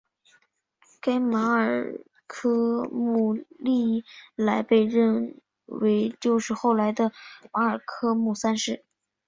该马尔科姆历来被认为就是后来的马尔科姆三世。